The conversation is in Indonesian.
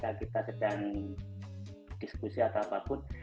ketika kita sedang diskusi atau apapun